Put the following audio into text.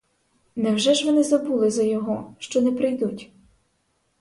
Невже ж вони забули за його, що не прийдуть?!